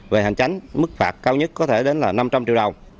về hành tránh mức phạt cao nhất có thể đến là năm trăm linh triệu đồng